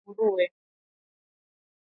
Kuna samadi za nguruwe